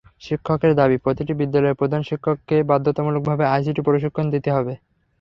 শিক্ষকদের দাবি, প্রতিটি বিদ্যালয়ের প্রধান শিক্ষককে বাধ্যতামূলকভাবে আইসিটি প্রশিক্ষণ দিতে হবে।